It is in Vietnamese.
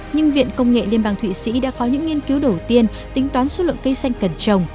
nhưng viện công nghệ liên bang thụy sĩ đã có những nghiên cứu đầu tiên tính toán số lượng cây xanh cần trồng